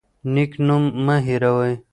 نیک نوم مه هیروئ.